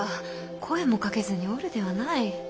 声もかけずにおるではない。